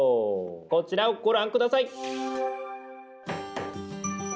こちらをご覧下さい！